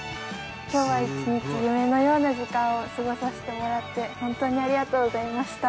今日は１日夢のような時間を過ごさせてもらって本当にありがとうございました。